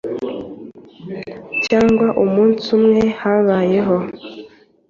cyangwa umunsi umwe habayeho